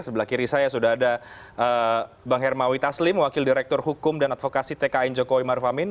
sebelah kiri saya sudah ada bang hermawi taslim wakil direktur hukum dan advokasi tkn jokowi maruf amin